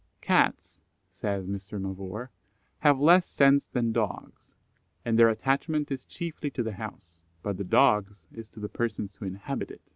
"Cats," says Mr. Mavor, "have less sense than dogs, and their attachment is chiefly to the house; but the dog's is to the persons who inhabit it."